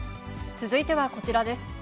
続いてはこちらです。